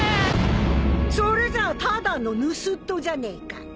それじゃただの盗っ人じゃねえか！